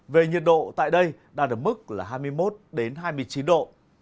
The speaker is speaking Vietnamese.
về nhiệt độ tại đây đang ở mức hai mươi một hai mươi chín độ